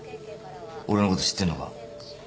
俺のこと知ってんのか？